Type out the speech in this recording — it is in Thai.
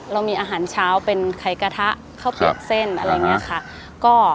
เรามีอาหารเช้าเป็นไข่กระทะข้าวเปียกเส้นอะไรอย่างนี้ค่ะ